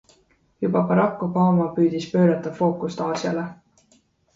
Juba Barack Obama püüdis pöörata fookust Aasiale.